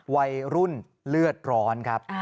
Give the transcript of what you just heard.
วัยรุ่นเลือดร้อนครับ